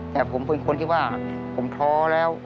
แต่ผมเป็นคนที่ว่าผมท้อแล้ว